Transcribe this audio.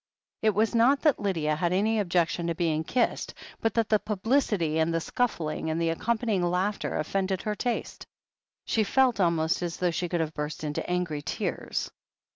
It was not that Lydia had any objection to being kissed, but that the publicity, and the scuffling, and the accompanying laughter offended her taste. She felt almost as though she could have burst into angry tears.